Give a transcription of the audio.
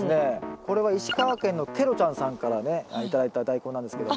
これは石川県のケロちゃんさんからね頂いたダイコンなんですけども。